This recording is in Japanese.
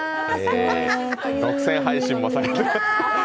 独占配信もされています。